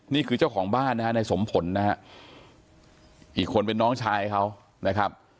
เจ้าของบ้านนะฮะในสมผลนะฮะอีกคนเป็นน้องชายเขานะครับ